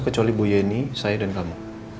kecuali bu yeni saya dan kamu